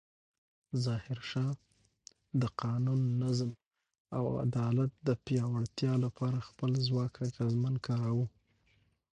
ظاهرشاه د قانون، نظم او عدالت د پیاوړتیا لپاره خپل ځواک اغېزمن کاراوه.